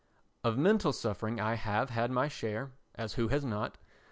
Of mental suffering I have had my share—as who has not?